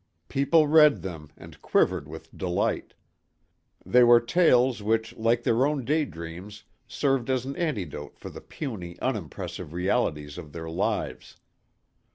People read them and quivered with delight. They were tales which like their own daydreams served as an antidote for the puny, unimpressive realities of their lives.